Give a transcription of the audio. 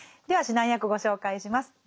では指南役ご紹介します。